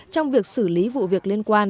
trong việc xử lý vụ việc liên quan